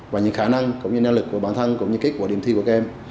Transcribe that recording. và những khả năng cũng như năng lực của bản thân cũng như kết quả điểm thi của các em